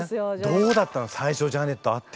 どうだったの最初ジャネット会って。